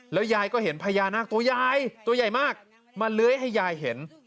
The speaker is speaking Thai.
ยายก็เห็นพญานาคตัวยายตัวใหญ่มากมาเลื้อยให้ยายเห็น